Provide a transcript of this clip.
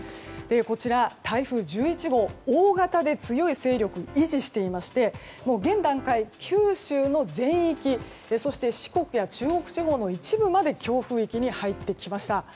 こちら、台風１１号大型で強い勢力を維持していまして現段階、九州の全域そして四国や中国地方の一部まで強風域に入ってきました。